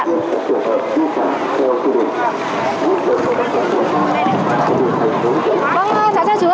vâng trả cho chú ạ